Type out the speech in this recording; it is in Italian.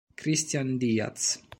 Cristian Díaz